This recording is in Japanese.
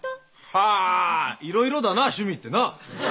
はあいろいろだな趣味ってな。